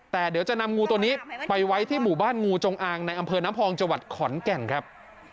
แต่เดี๋ยวจะนำงูตัวนี้ไปไว้ที่หมู่บ้านงูจงอางในอำเภอน้ำพองจังหวัดขอนแก่นครับ